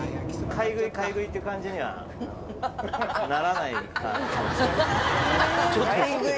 買い食い、買い食いって感じにはならないかもしれない。